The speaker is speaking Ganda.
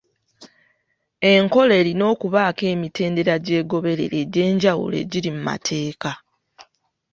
Enkola erina okubaako emitendera gyegoberera egy'enjawulo egiri mu mateeka.